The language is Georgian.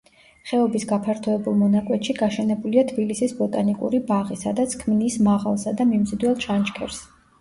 ხეობის გაფართოებულ მონაკვეთში გაშენებულია თბილისის ბოტანიკური ბაღი, სადაც ქმნის მაღალსა და მიმზიდველ ჩანჩქერს.